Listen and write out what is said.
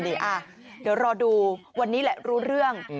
เดี๋ยวรอดูวันนี้แหละรู้เรื่อง